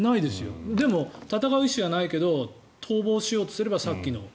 でも、戦う意思はないけど逃亡しようとすればさっきの。